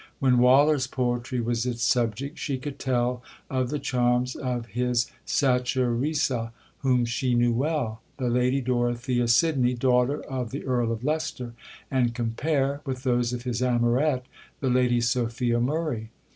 When Waller's poetry was its subject, she could tell of the charms of his Sacharissa, whom she knew well,—the Lady Dorothea Sidney, daughter of the Earl of Leicester,—and compare, with those of his Amoret, the Lady Sophia Murray.